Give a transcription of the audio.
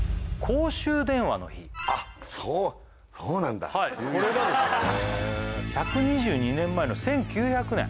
公衆電話の日あっそうそうなんだはいこれがですね１２２年前の１９００年